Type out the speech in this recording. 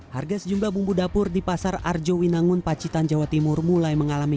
hai harga sejumlah bumbu dapur di pasar arjo winangun pacitan jawa timur mulai mengalami